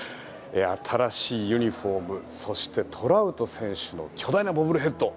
新しいユニホームそしてトラウト選手の巨大なボブルヘッド